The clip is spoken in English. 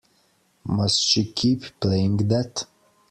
Must she keep playing that?